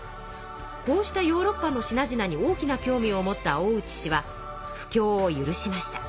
こうしたヨーロッパの品々に大きな興味を持った大内氏は布教を許しました。